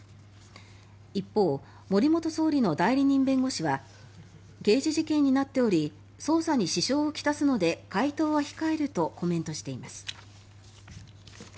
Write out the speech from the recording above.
一方、森元総理の代理人弁護士は刑事事件になっており捜査に支障を来すので回答は控えるとコメントしています。